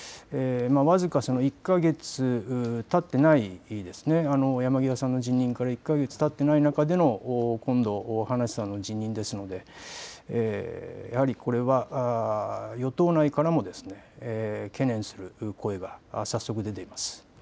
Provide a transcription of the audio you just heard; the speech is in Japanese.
僅か１か月たっていない、山際さんの辞任から１か月たっていない中での今度、葉梨さんの辞任ですのでやはりこれは与党内からも懸念する声が早速、出ています。